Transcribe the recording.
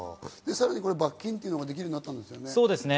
さらに罰金というのができるようになったんですよね。